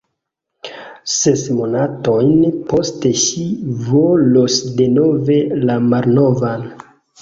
Ses monatojn poste ŝi volos denove la malnovan.